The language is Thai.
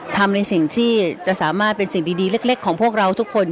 ทำในสิ่งที่จะสามารถเป็นสิ่งดีเล็กของพวกเราทุกคน